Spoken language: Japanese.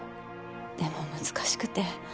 でも難しくて。